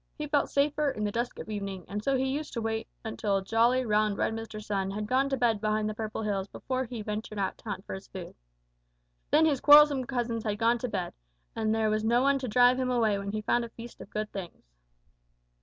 He felt safer in the dusk of evening, and so he used to wait until jolly, round, red Mr. Sun had gone to bed behind the Purple Hills before he ventured out to hunt for his food. Then his quarrelsome cousins had gone to bed, and there was no one to drive him away when he found a feast of good things.